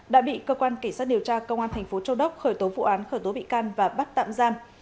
đã bị cơ quan kỳ sát điều tra công an thành phố châu đốc khởi tố vụ án khởi tố bị can và bắt tạm giam